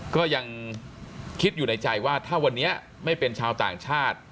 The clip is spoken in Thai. ก็ยังคิดอยู่ในใจว่าถ้าวันนี้ไม่เป็นชาวต่างชาติ